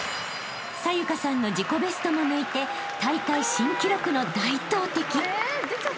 ［紗優加さんの自己ベストも抜いて大会新記録の大投てき！］